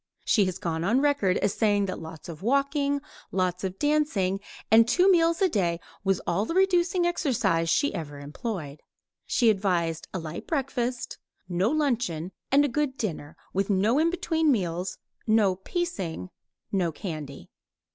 She has gone on record as saying that lots of walking, lots of dancing, and two meals a day was all the reducing exercise she ever employed. She advised a light breakfast, no luncheon, and a good dinner, with no between meals, no "piecing," no candy.